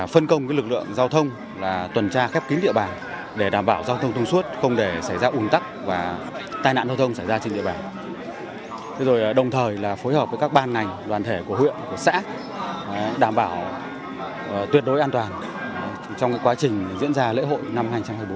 phân công các lực lượng giao thông tuần tra khép kín địa bàn đồng thời phối hợp các đoàn ngành đoàn thể của huyện của xã đảm bảo tuyệt đối an toàn trong quá trình diễn ra lễ hội năm hai nghìn một mươi bốn